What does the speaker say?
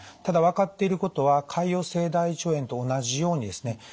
ただ分かっていることは潰瘍性大腸炎と同じようにですね